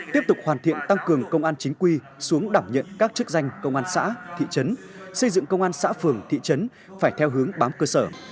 tiếp tục hoàn thiện tăng cường công an chính quy xuống đảm nhận các chức danh công an xã thị trấn xây dựng công an xã phường thị trấn phải theo hướng bám cơ sở